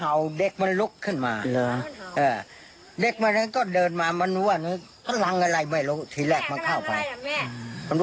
หาวเด็กมันลุกขึ้นมาเด็กมันก็เดินมาคลังอะไรไม่รู้ทีแรกเขาเข้าไป